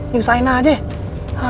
diusain aja ya